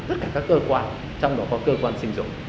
tất cả các cơ quan trong đó có cơ quan sinh dục